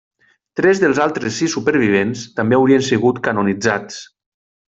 Tres dels altres sis supervivents també haurien sigut canonitzats.